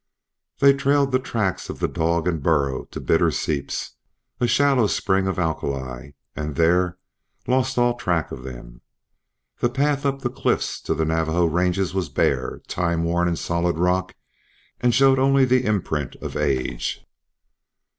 They trailed the tracks of the dog and burro to Bitter Seeps, a shallow spring of alkali, and there lost all track of them. The path up the cliffs to the Navajo ranges was bare, time worn in solid rock, and showed only the imprint of age.